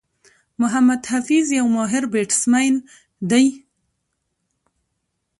محمد حفيظ یو ماهر بيټسمېن دئ.